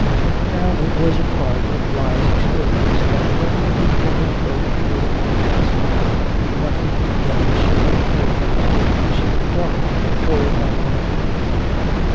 Now, it was a part of Bligh's experience that when the people in his boat were most cast down, nothing did them so much good as hearing a story told by one of their number.